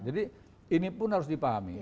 jadi ini pun harus dipahami